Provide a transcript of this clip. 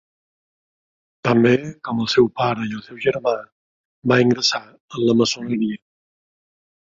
També, com el seu pare i el seu germà, va ingressar en la maçoneria.